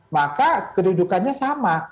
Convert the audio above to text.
maka kedudukannya sama